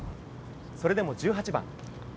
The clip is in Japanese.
それでも１８番。